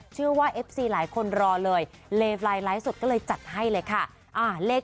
เชื่อว่าเอฟซีหลายคนรอเลยเลฟแรพ